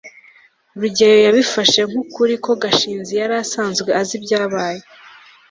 rugeyo yabifashe nk'ukuri ko gashinzi yari asanzwe azi ibyabaye